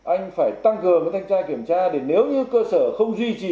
anh phải tăng cường thanh tra kiểm tra để nếu như cơ sở không duy trì